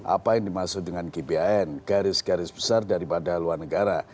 apa yang dimaksud dengan gbhn garis garis besar daripada luar negara